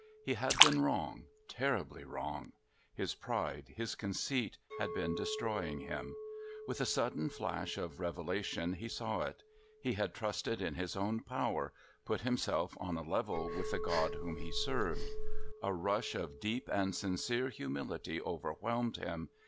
He had been wrong, terribly wrong. His pride, his conceit, had been destroying him. With a sudden flash of revelation he saw it. He had trusted in his own power, put himself on a level with the God whom he served. A rush of deep and sincere humility overwhelmed him.